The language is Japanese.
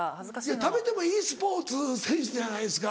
食べてもいいスポーツ選手じゃないですか。